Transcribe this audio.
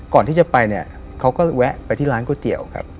ก่อนที่จะไปเนี่ยเขาก็แวะไปที่ร้านก๋วยเตี๋ยวครับ